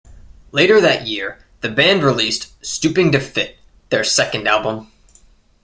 Later that year, the band released "Stooping to Fit", their second album.